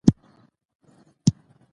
هغوی نشي کولای دا متن سم ولولي.